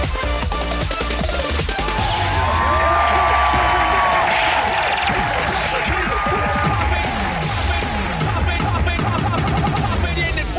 สวัสดีครับ